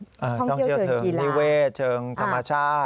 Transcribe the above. ท่องเที่ยวเชิงกีฬาท่องเที่ยวเชิงนิเวศ์เชิงธรรมชาติ